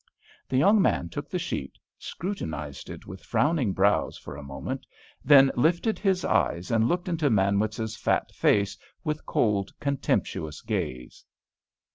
The young man took the sheet, scrutinised it with frowning brows for a moment, then lifted his eyes and looked into Manwitz's fat face with cold, contemptuous gaze.